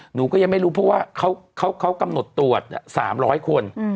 หนูก็ยังไม่รู้เพราะว่าเขากำหนดตรวจ๓๐๐คน